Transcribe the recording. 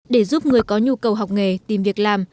để giúp người có nhu cầu học nghề tìm việc làm